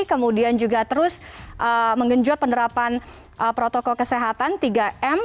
kemudian juga terus menggenjot penerapan protokol kesehatan tiga m